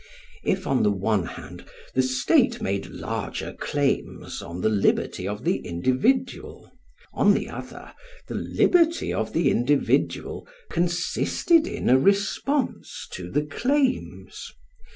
If on the one hand the state made larger claims on the liberty of the individual, on the other, the liberty of the individual consisted in a response to the claims.